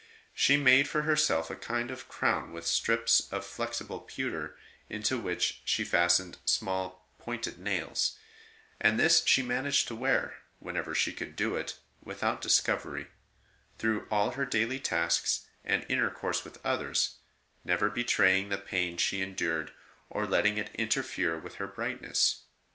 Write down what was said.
She made for herself a kind of crown with strips of flexible pewter, into which she fastened small pointed nails ; and this she managed to wear, whenever she could do it without discovery, through all her daily tasks and intercourse with others, never betraying the pain she endured or letting it interfere with her brightness.